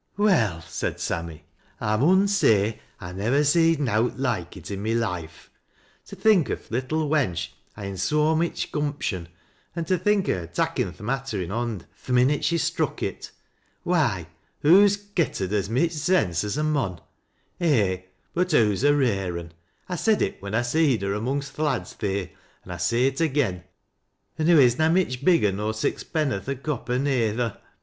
"Well," said Sammy, "I man say I nivver seed nowt loike it i' my loife. To think o' th' little wench ha'iu' so mich gumption, an' to think o' her takkin th' matter i' hon J th' minnit she struck it ! Why ! hoo's getten as mich sense as a mon. Eh 1 but hoo's a rare un — 1 said it when I seed her amongst th' lads theer, an' I say it again. An' lioo is na mich bigger nor six penn'orth o' copper neyther.